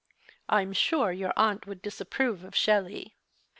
" I am sure yoiu aunt would dis approve of Shelley."